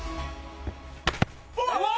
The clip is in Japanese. うわっ！